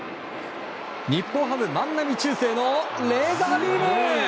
日本ハム、万波中正のレーザービーム！